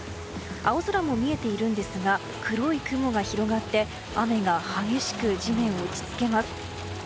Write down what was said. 青空も見えているんですが黒い雲が広がって雨が激しく地面に打ち付けます。